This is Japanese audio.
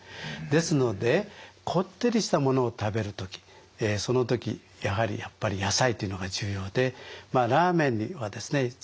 ですのでこってりしたものを食べる時その時やはり野菜というのが重要でラーメンはですね